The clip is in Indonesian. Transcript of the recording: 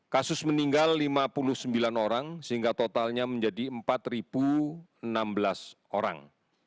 kasus meninggal lima puluh sembilan orang sehingga totalnya menjadi empat enam belas orang